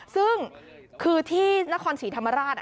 ซึ่งคือที่นครศรีธรรมราช